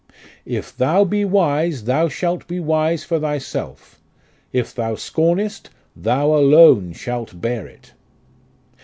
' If thou be wise, thou shalt be wise for thyself ; if thou scornest, thou alone shalt bear it.'